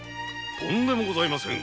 とんでもございません。